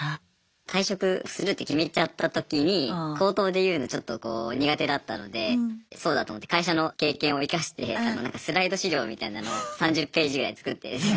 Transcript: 退職するって決めちゃった時に口頭で言うのちょっとこう苦手だったのでそうだ！と思って会社の経験を生かしてスライド資料みたいなのを３０ページぐらい作ってですね。